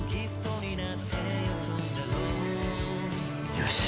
よし。